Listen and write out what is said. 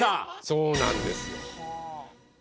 そうなんですよ。